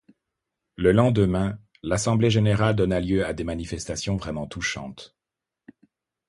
Le lendemain, l'assemblée générale donna lieu à des manifestations vraiment touchantes.